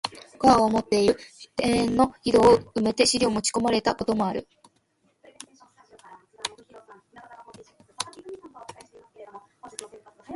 古川の持つて居る田圃の井戸を埋めて尻を持ち込まれた事もある。